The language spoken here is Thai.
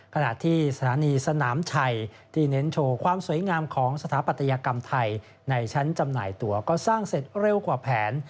ขณะที่สถานีสนามชัยที่เน้นโชว์ความสวยงามของสถาปัตยกรรมไทยในชั้นจำหน่ายตัวก็สร้างเสร็จเร็วกว่าแผน